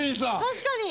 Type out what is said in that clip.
確かに。